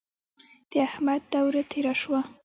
د احمد دوره تېره شوه.